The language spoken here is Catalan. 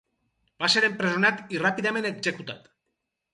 Va ser empresonat i ràpidament executat.